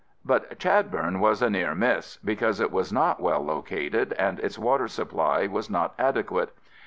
But Chadbourne was a near miss, because it was not well located and its water supply was not adequate.